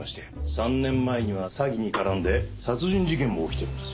３年前には詐欺に絡んで殺人事件も起きているんです。